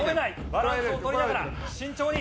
バランスを取りながら慎重に。